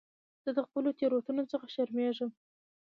زه د خپلو تېروتنو څخه شرمېږم.